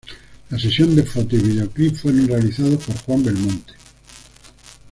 La sesión de fotos y videoclips fueron realizados por Juan Belmonte.